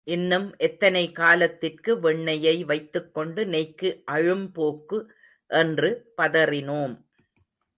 இன்னும் எத்தனை காலத்திற்கு வெண்ணெயை வைத்துக் கொண்டு நெய்க்கு அழும் போக்கு என்று பதறினோம்.